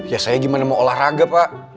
ya saya gimana mau olahraga pak